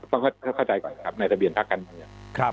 ต้องเข้าใจก่อนนะครับในทะเบียนพักการเมืองครับ